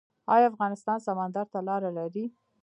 آیا افغانستان سمندر ته لاره لري؟